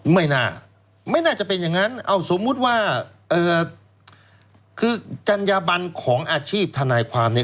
ไม่น่าไม่น่าจะเป็นอย่างนั้นเอาสมมุติว่าคือจัญญาบันของอาชีพทนายความเนี่ย